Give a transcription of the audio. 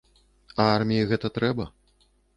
А арміі гэта трэба?